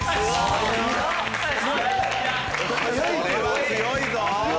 これは強いぞ！